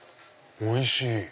おいしい！